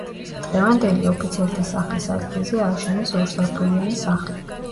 დღევანდელი ოფიცერთა სახლის ადგილზე ააშენეს ორსართულიანი სახლი.